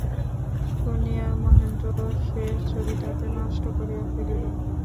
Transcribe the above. শুনিয়া মহেন্দ্র সে ছবিটাকে নষ্ট করিয়া ফেলিল।